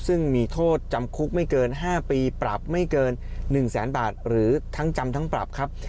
ซึ่งมีโทษจำคุกไม่เกิน๕ปีปรับไม่เกิน๑แสนบาทหรือทั้งจำทั้งปรับครับ